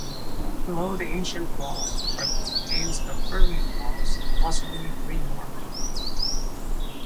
Below the ancient walls are the remains of earlier walls possibly pre Norman.